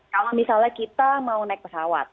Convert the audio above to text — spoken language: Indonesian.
kalau misalnya kita mau naik pesawat